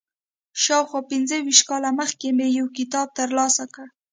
شاوخوا پنځه ویشت کاله مخکې مې یو کتاب تر لاسه کړ.